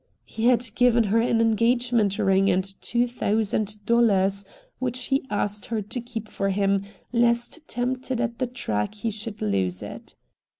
He had given her an engagement ring and two thousand dollars, which he asked her to keep for him, lest tempted at the track he should lose it.